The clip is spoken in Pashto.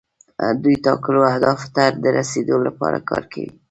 دوی ټاکلو اهدافو ته د رسیدو لپاره کار کوي.